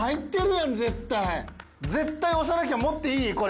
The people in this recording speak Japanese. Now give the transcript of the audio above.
絶対押さなきゃ持っていい？これ。